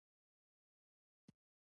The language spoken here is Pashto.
د خصوصي سکتور ملاتړ د دولت مسوولیت دی.